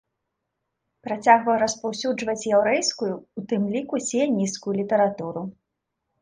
Працягваў распаўсюджваць яўрэйскую, у тым ліку сіянісцкую, літаратуру.